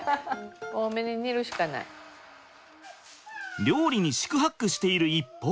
料理に四苦八苦している一方で。